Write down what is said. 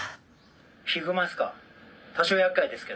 「ヒグマですか？